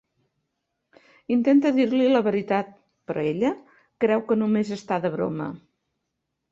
Intenta dir-li la veritat, però ella creu que només està de broma.